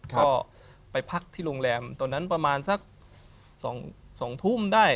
ก็ไปพักที่โรงแรมตอนนั้นประมาณสัก๒ทุ่มได้